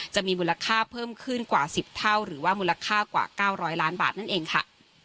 จะมีมูลค่าเพิ่มขึ้นกว่า๑๐เท่าหรือว่ามูลค่ากว่า๙๐๐ล้านบาทนั่นเองค่ะ